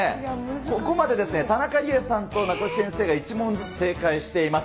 ここまで、田中理恵さんと名越先生が１問ずつ正解しています。